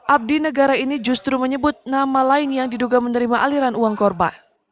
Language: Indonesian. abdi negara ini justru menyebut nama lain yang diduga menerima aliran uang korban